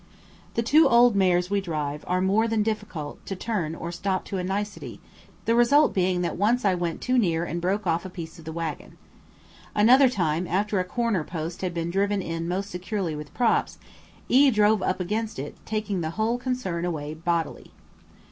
The two old mares we drive are more than difficult to turn or stop to a nicety, the result being that once I went too near and broke off a piece of the waggon. Another time, after a corner post had been driven in most securely with props, E drove up against it, taking the whole concern away bodily.